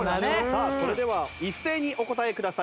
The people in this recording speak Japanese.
さあそれでは一斉にお答えください。